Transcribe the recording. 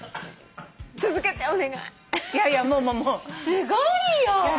すごいよ！